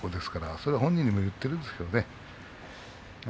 それは本人にも言っているんですけどね。